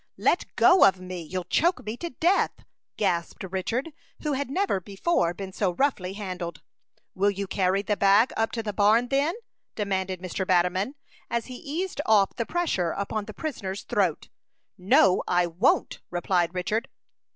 "Let go of me! You'll choke me to death!" gasped Richard, who had never before been so roughly handled. "Will you carry the bag up to the barn, then?" demanded Mr. Batterman, as he eased off the pressure upon the prisoner's throat. "No, I won't!" replied Richard.